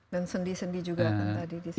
dan sendi sendi juga kan tadi disitu